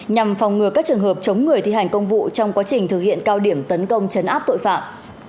nhằm phòng ngừa các trường hợp chống người thi hành công vụ trong quá trình thực hiện cao điểm tấn công chấn áp tội phạm